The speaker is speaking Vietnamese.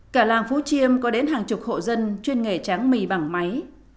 cả làng phú chiêm có đến hàng chục hộ dân chuyên nghề tráng mì bằng máy